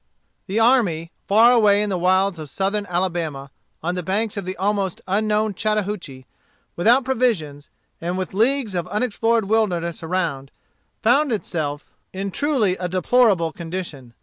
The army, far away in the wilds of Southern Alabama, on the banks of the almost unknown Chattahoochee, without provisions, and with leagues of unexplored wilderness around, found itself in truly a deplorable condition.